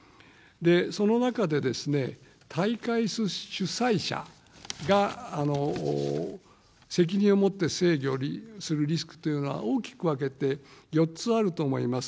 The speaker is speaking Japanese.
その中で、大会主催者が責任を持って制御するリスクというのは、大きく分けて４つあると思います。